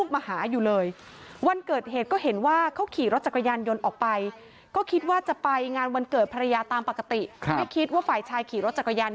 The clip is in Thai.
ไม่คิดว่าฝ่ายชายขี่รถจักรยาน